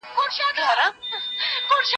زه به اوږده موده د سوالونو جواب ورکړی وم